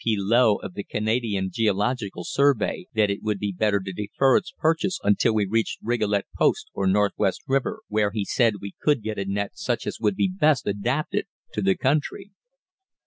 P. Low of the Canadian Geological Survey that it would be better to defer its purchase until we reached Rigolet Post or Northwest River, where he said we could get a net such as would be best adapted to the country.